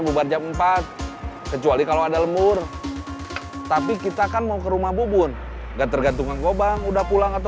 terdampar di perisian barang yang baru anda l sulit